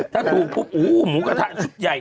ถ้าถูกปุ๊บหมูกระทะชุดใหญ่